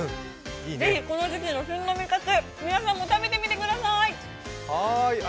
ぜひ、この時期の旬の味覚、皆さんも食べてみてくださーい。